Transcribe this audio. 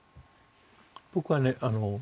僕はね